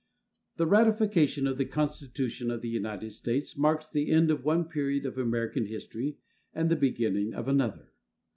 The ratification of the Constitution of the United States marks the end of one period of American history and the beginning of another.